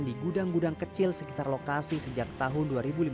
di gudang gudang kecil sekitar lokasi sejak tahun dua ribu lima belas